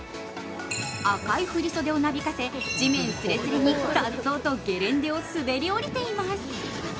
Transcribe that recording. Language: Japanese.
赤い振り袖をなびかせ、地面すれすれにさっそうとゲレンデを滑り降りています。